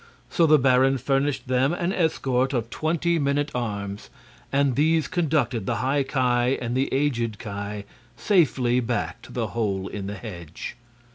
So the baron furnished them an escort of twenty men at arms, and these conducted the High Ki and the aged Ki safely back to the hole in the hedge.